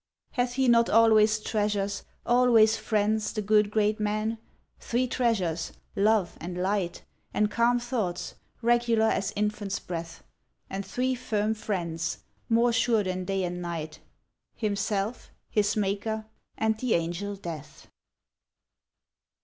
Hath he not always treasures, always friends, The good great man? three treasures, love, and light, And calm thoughts, regular as infant's breath; And three firm friends, more sure than day and night Himself, his Maker, and the angel Death.